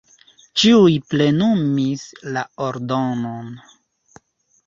Ĉiuj plenumis la ordonon.